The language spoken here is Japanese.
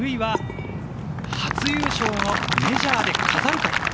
初優勝をメジャーで飾るか。